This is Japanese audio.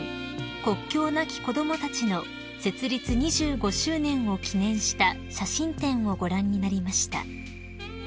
国境なき子どもたちの設立２５周年を記念した写真展をご覧になりました］